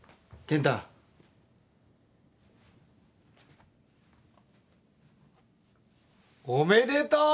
合格おめでとう！